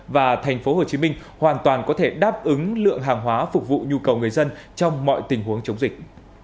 và tp hcm hoàn toàn có thể đáp ứng lượng hàng hóa phục vụ nhu cầu người dân trong mọi tình huống chống dịch